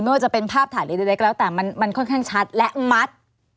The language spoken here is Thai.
ว่าจะเป็นภาพถ่ายเล็กแล้วแต่มันค่อนข้างชัดและมัด